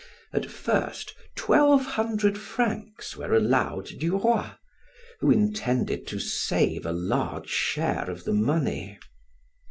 At first twelve hundred francs were allowed Duroy, who intended to save a large share of the money.